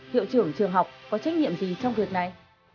hiệu trưởng trường học có trách nhiệm gì trong việc này